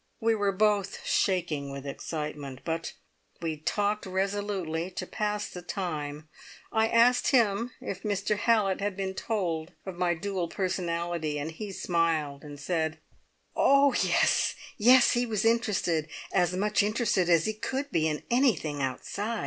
We were both shaking with excitement, but we talked resolutely to pass the time. I asked him if Mr Hallett had been told of my dual personality, and he smiled, and said: "Oh, yes, he was interested as much interested as he could be in anything outside!